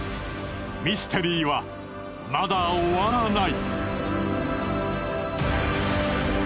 ミステリーはまだ終わらない。